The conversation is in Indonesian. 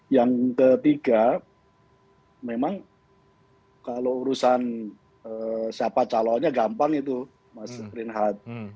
yang ketiga memang kalau urusan siapa calonnya gampang itu mas reinhardt